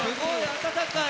温かい。